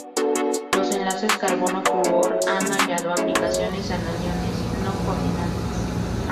Los enlaces carbono-flúor han hallado aplicación en aniones no-coordinantes.